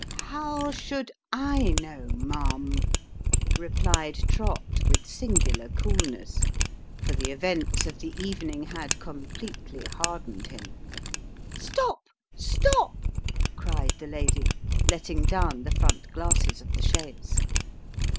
" How should Jknow, ma'am ?" replied Trott with singular coolness ; for the events of the evening had completely hardened him. " Stop ! stop !" cried the lady, letting down the front glasses of the chaise.